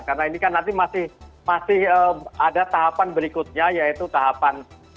karena ini kan nanti masih ada tahapan berikutnya yaitu tahapan